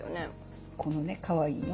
このねかわいいの。